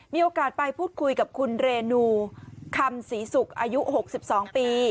มีโอกาสไปพูดคุยกับคุณเรนูคำศรีศุกร์อายุ๖๒ปี